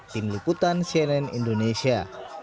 tim liputan cnn indonesia